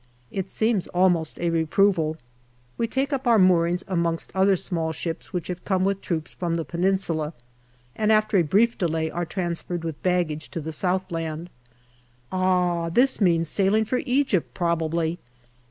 It seems almost a reproval. We take up our moorings amongst other small ships which have come with troops from the Peninsula, and after a brief delay are transferred with baggage to the Southland. Ah ! this means sailing for Egypt, probably.